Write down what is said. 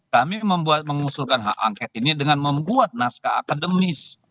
kami membuat mengusulkan hak angket ini dengan membuat naskah akademis